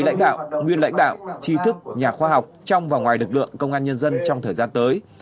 lãnh đạo nguyên lãnh đạo chi thức nhà khoa học trong và ngoài lực lượng công an nhân dân trong thời gian tới